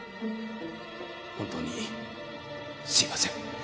本当にすいません。